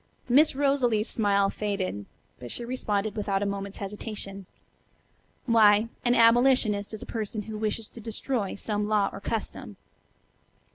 Miss Rosalie's smile faded, but she responded without a moment's hesitation: "Why, an 'abolitionist' is a person who wishes to destroy some law or custom."